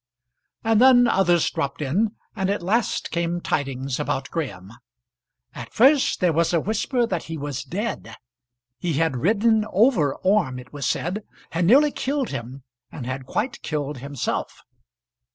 And then others dropped in, and at last came tidings about Graham. At first there was a whisper that he was dead. He had ridden over Orme, it was said; had nearly killed him, and had quite killed himself.